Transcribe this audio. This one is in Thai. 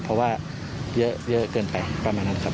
เพราะว่าเยอะเกินไปประมาณนั้นครับ